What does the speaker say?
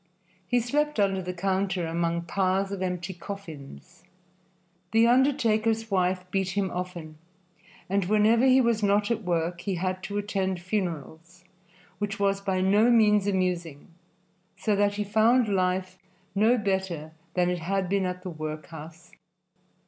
He slept under the counter among piles of empty coffins. The undertaker's wife beat him often, and whenever he was not at work he had to attend funerals, which was by no means amusing, so that he found life no better than it had been at the workhouse.